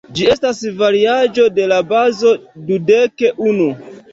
Ĝi estas variaĵo de la bazo dudek unu.